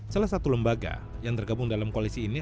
salah satu lembaga yang tergabung dalam koalisi ini